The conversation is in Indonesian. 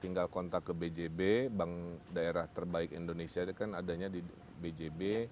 tinggal kontak ke bjb bank daerah terbaik indonesia itu kan adanya di bjb